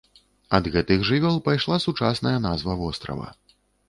Ад гэтых жывёл пайшла сучасная назва вострава.